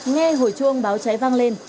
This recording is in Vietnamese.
nghe hồi chuông báo cháy vang lên